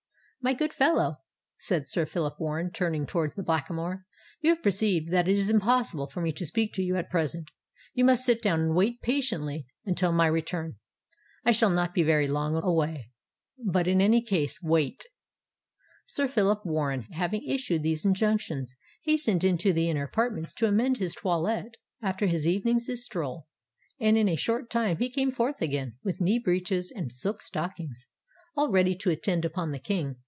"My good fellow," said Sir Phillip Warren, turning towards the Blackamoor, "you perceive that it is impossible for me to speak to you at present. You must sit down and wait patiently until my return. I shall not be very long away; but, in any case, wait!" Sir Phillip Warren, having issued these injunctions, hastened into the inner apartments to amend his toilette after his evening's stroll; and in a short time he came forth again, with knee breeches and silk stockings, all ready to attend upon the king.